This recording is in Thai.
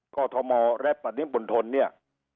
คทมและปฏิบันทนเนี่ย